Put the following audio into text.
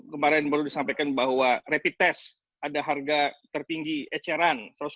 kemarin baru disampaikan bahwa rapid test ada harga tertinggi eceran rp satu ratus lima puluh